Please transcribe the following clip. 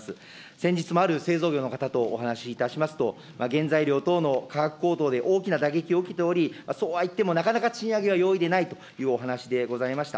先日もある製造業の方とお話いたしますと、原材料等の価格高騰で大きな打撃を受けており、そうはいってもなかなか賃上げは容易でないというお話でございました。